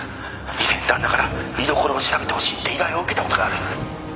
以前旦那から居所を調べてほしいって依頼を受けたことがある。